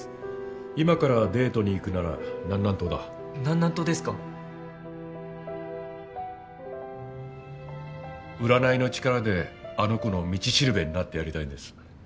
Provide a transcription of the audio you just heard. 今からデートに行くなら南南東だ南南東ですか占いの力であの子の道しるべになってやりたいんです。